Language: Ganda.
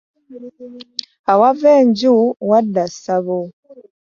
Awava enju wadda ssabo .